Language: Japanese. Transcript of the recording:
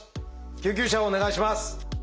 救急車をお願いします。